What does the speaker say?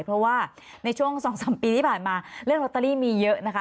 เพราะว่าในช่วง๒๓ปีที่ผ่านมาเรื่องลอตเตอรี่มีเยอะนะคะ